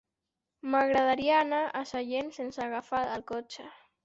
M'agradaria anar a Sallent sense agafar el cotxe.